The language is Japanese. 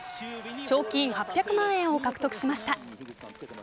賞金８００万円を獲得しました。